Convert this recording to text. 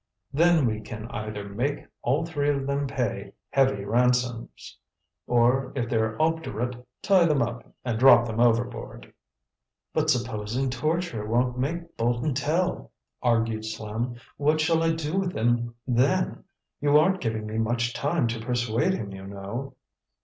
Then we can either make all three of them pay heavy ransoms, or if they're obdurate, tie them up and drop them overboard." "But supposing torture won't make Bolton tell?" argued Slim. "What shall I do with him then? You aren't giving me much time to persuade him, you know."